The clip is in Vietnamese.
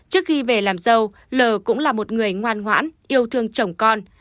trước khi về làm dâu lờ cũng là một người ngoan ngoãn yêu thương chồng con